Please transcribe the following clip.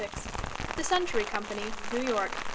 The Century Company, New York.